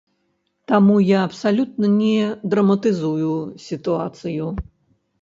Таму я абсалютна не драматызую сітуацыю.